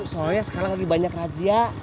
soalnya sekarang lagi banyak razia